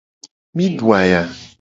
Mi du aya.